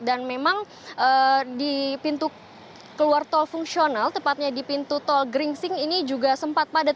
dan memang di pintu keluar tol fungsional tepatnya di pintu tol gringsing ini juga sempat padat